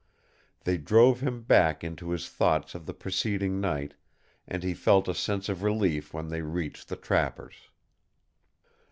They drove him back into his thoughts of the preceding night, and he felt a sense of relief when they reached the trapper's.